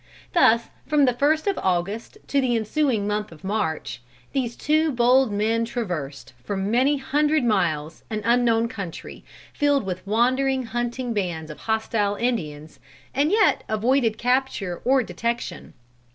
Thus from the first of August to the ensuing month of March, these two bold men traversed, for many hundred miles, an unknown country, filled with wandering hunting bands of hostile Indians, and yet avoided capture or detection.